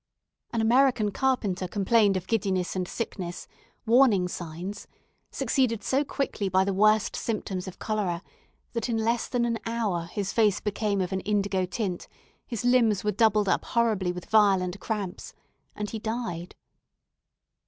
An American carpenter complained of giddiness and sickness warning signs succeeded so quickly by the worst symptoms of cholera, that in less than an hour his face became of an indigo tint, his limbs were doubled up horribly with violent cramps, and he died.